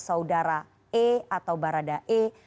saudara e atau barada e